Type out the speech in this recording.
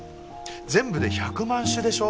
全部で１００万種でしょ？